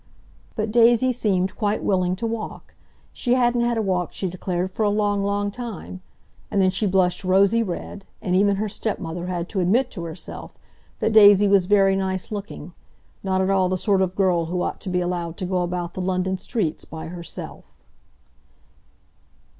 But Daisy seemed quite willing to walk; she hadn't had a walk, she declared, for a long, long time—and then she blushed rosy red, and even her stepmother had to admit to herself that Daisy was very nice looking, not at all the sort of girl who ought to be allowed to go about the London streets by herself.